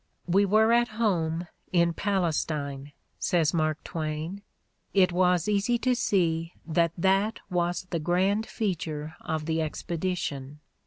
""We were at home in Palestine, '' says Mark Twain. '' It was easy to see that that was the grand feature of the ex pedition.